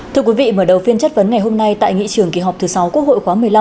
thưa quý vị mở đầu phiên chất vấn ngày hôm nay tại nghị trường kỳ họp thứ sáu quốc hội khóa một mươi năm